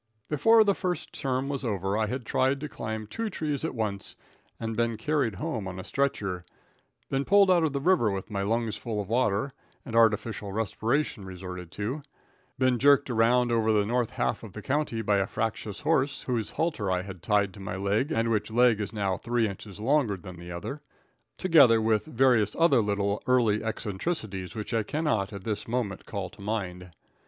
] Before the first term was over I had tried to climb two trees at once and been carried home on a stretcher; been pulled out of the river with my lungs full of water, and artificial respiration resorted to; been jerked around over the north half of the county by a fractious horse whose halter I had tied to my leg, and which leg is now three inches longer than the other; together with various other little early eccentricities which I cannot at this moment call to mind.